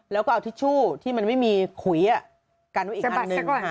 แล้วก็เอาทิชชู่ที่มันไม่มีขุยกันไว้อีกสักใบ